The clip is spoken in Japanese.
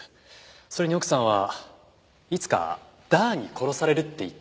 それに奥さんはいつかダーに殺されるって言っていたというんですよ。